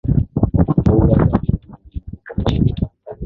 mbuga za wanyama nyingi zipo nchini tanzania